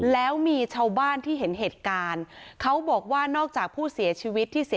แล้วมีชาวบ้านที่เห็นเหตุการณ์เขาบอกว่านอกจากผู้เสียชีวิตที่เสีย